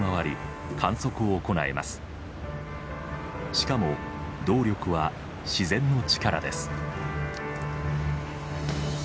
しかも動力は自然の力です。